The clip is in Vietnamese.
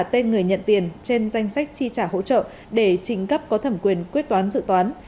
ký giả tên người nhận tiền trên danh sách tri trả hỗ trợ để trình cấp có thẩm quyền quyết toán dự toán